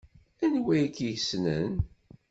Anwa i k-yessnen?